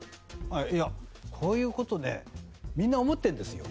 いやこういう事ねみんな思ってるんですよ。